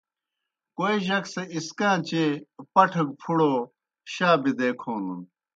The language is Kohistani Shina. کوئے جک سہ اسکان٘چیئے پٹھہ گہ پُھڑو شا بِدے کھونَن۔